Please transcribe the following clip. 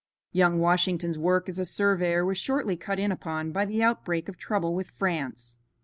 Young Washington's work as a surveyor was shortly cut in upon by the outbreak of trouble with France.